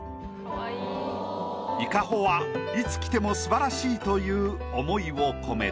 伊香保はいつ来ても素晴らしいという思いを込めた。